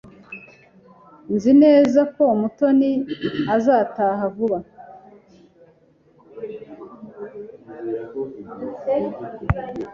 Nzi neza ko Mutoni azataha vuba.